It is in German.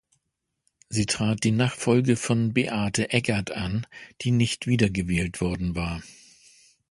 Sie trat die Nachfolge von Beate Eggert an, die nicht wieder gewählt worden war.